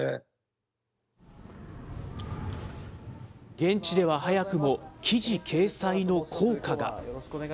現地では早くも、記事掲載の効果が。